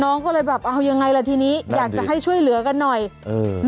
น้องก็เลยแบบเอายังไงล่ะทีนี้อยากจะให้ช่วยเหลือกันหน่อยเออ